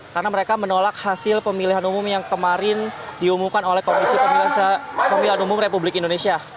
karena mereka menolak hasil pemilihan umum yang kemarin diumumkan oleh komisi pemilihan umum republik indonesia